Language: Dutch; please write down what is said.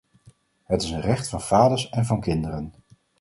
Het is een recht van vaders en van kinderen.